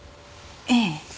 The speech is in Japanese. ええ。